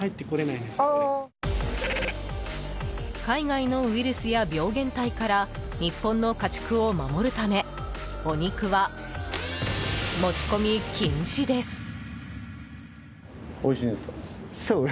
海外のウイルスや病原体から日本の家畜を守るためお肉は持ち込み禁止です。